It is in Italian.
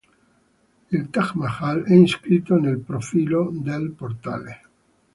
Il Taj Mahal è inscritto nel profilo del portale.